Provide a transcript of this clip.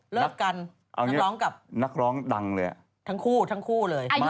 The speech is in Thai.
เลิกกันแหลกเป็นนักรองทั้งคู่